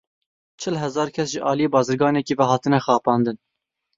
Çil hezar kes ji aliyê bazirganekî ve hatine xapandin.